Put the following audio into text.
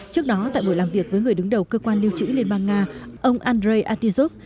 trước đó tại buổi làm việc với người đứng đầu cơ quan lưu trữ liên bang nga ông andrei atizov